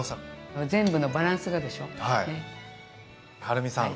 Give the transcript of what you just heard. はるみさん。